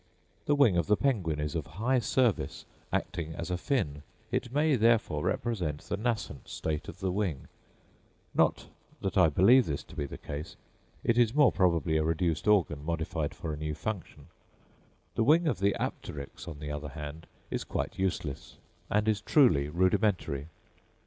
The wing of the penguin is of high service, acting as a fin; it may, therefore, represent the nascent state of the wing: not that I believe this to be the case; it is more probably a reduced organ, modified for a new function: the wing of the Apteryx, on the other hand, is quite useless, and is truly rudimentary.